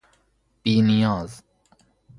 بی نیاز